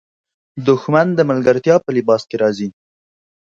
دښمن د ملګرتیا په لباس کې راځي